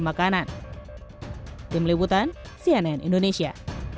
makanan tim liputan cnn indonesia